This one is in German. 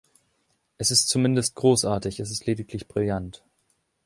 Es ist zumindest großartig, es ist lediglich brillant...